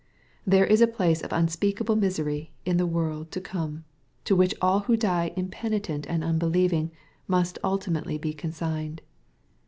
There is a place of unspeakable misery in the world to come, to which all who die impenitent and unbelieving, must ultimately be consigned.